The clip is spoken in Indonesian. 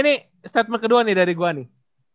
nah ini statement kedua nih dari gue nih